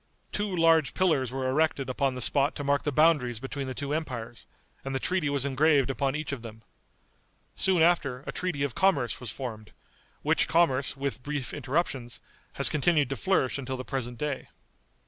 Two large pillars were erected upon the spot to mark the boundaries between the two empires, and the treaty was engraved upon each of them. Soon after, a treaty of commerce was formed, which commerce, with brief interruptions, has continued to flourish until the present day.